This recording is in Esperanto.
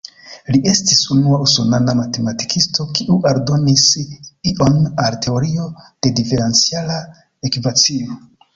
Li estis unua usonana matematikisto kiu aldonis ion al teorio de diferenciala ekvacio.